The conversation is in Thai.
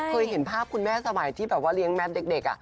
เคยเห็นภาพคุณแม่สมัยที่แบบว่าเลี้ยงแมทเด็ก